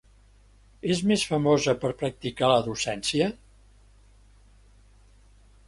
És més famosa per practicar la docència?